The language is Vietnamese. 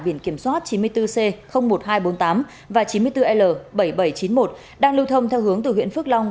biển kiểm soát chín mươi bốn c một nghìn hai trăm bốn mươi tám và chín mươi bốn l bảy nghìn bảy trăm chín mươi một đang lưu thông theo hướng từ huyện phước long